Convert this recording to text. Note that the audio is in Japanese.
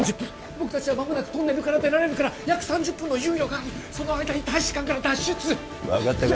僕たちは間もなくトンネルから出られるから約３０分の猶予があるその間に大使館から脱出分かったか？